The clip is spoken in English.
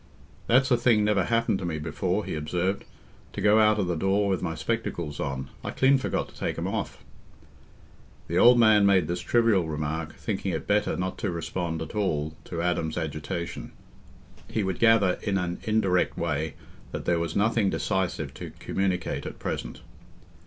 "That's a thing never happened to me before," he observed, "to go out o' the door with my spectacles on. I clean forgot to take 'em off." The old man made this trivial remark, thinking it better not to respond at all to Adam's agitation: he would gather, in an indirect way, that there was nothing decisive to communicate at present.